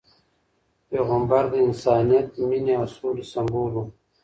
پیغمبر د انسانیت، مینې او سولې سمبول و.